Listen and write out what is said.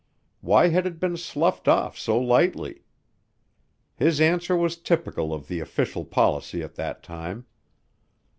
Why had it been sloughed off so lightly? His answer was typical of the official policy at that time.